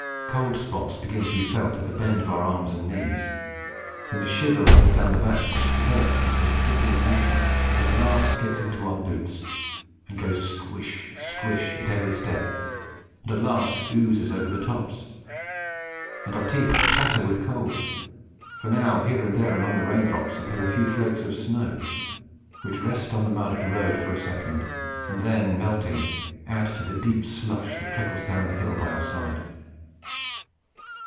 Cold spots begin to be felt at the bend of our arms and knees; then a shiver runs down the back, which developes into a trickle of water that at last gets into our boots and goes squish, squish, at every step, and at last oozes over the tops; and our teeth chatter with cold, for now here and there among the rain drops appear a few flakes of snow, which rest on the mud of the road for a second, and then melting, add to the deep slush that trickles down the hill by our side.